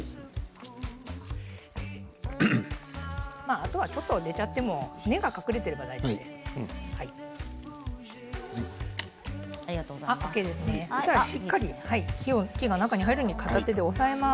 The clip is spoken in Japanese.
あとはちょっと出ちゃっても根が隠れていれば大丈夫です。